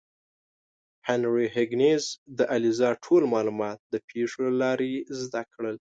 هنري هیګینز د الیزا ټول معلومات د پیښو له لارې زده کړل.